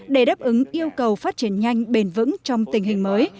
để đáp ứng yêu cầu phát triển nhanh bền vững trong tình hình mới